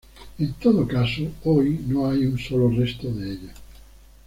En todo caso hoy, no hay un solo resto de ella.